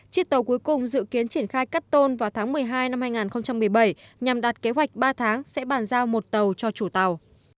chiếc tàu cuối cùng dự kiến triển khai cắt tôn vào tháng một mươi hai năm hai nghìn một mươi bảy nhằm đạt kế hoạch ba tháng sẽ bàn giao một tàu cho chủ tàu